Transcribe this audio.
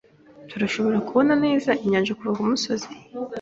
Turashobora kubona neza inyanja kuva kumusozi.